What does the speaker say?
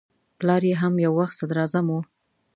پلار یې هم یو وخت صدراعظم و.